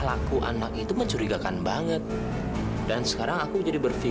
aku ingin dia sebagai anak hatinya sendiri